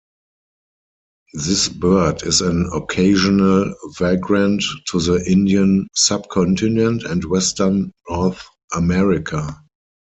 This bird is an occasional vagrant to the Indian Subcontinent and western North America.